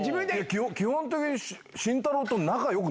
基本的に。